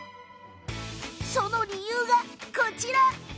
その理由が、こちら！